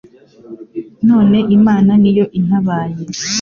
None Imana ni yo intabaye